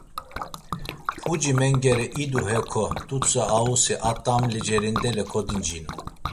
Puci mengere idu heko, t̆utsa ausi a t̆amli cerindele kodincinu.